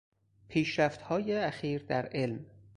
پیشرفتهای اخیر در علم